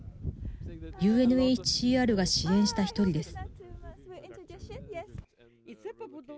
ＵＮＨＣＲが支援した１人です。